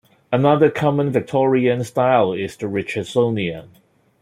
Another common Victorian style is the Richardsonian.